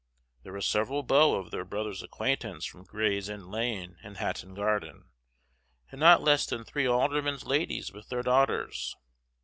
There were several beaux of their brother's acquaintance from Gray's Inn Lane and Hatton Garden, and not less than three aldermen's ladies with their daughters.